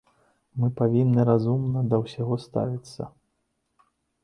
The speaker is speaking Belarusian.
Мы павінны разумна да ўсяго ставіцца.